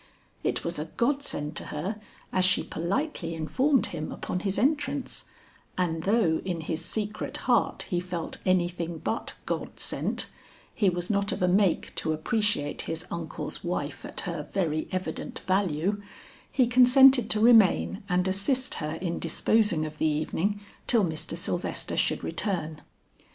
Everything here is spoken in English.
It was a godsend to her as she politely informed him upon his entrance; and though in his secret heart he felt anything but God sent he was not of a make to appreciate his uncle's wife at her very evident value he consented to remain and assist her in disposing of the evening till Mr. Sylvester should return.